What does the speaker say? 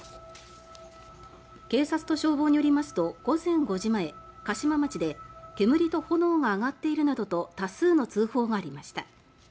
警察と消防によりますと午前５時前嘉島町で煙と炎が上がっているなどと多数の通報がありました。